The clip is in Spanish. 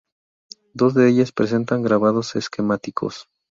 Dos de ellas presentan grabados esquemáticos.